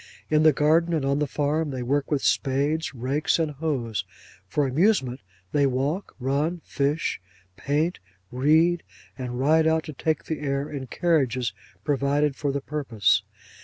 In the garden, and on the farm, they work with spades, rakes, and hoes. For amusement, they walk, run, fish, paint, read, and ride out to take the air in carriages provided for the purpose.